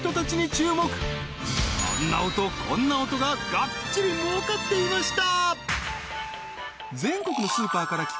あんな音こんな音ががっちり儲かっていました！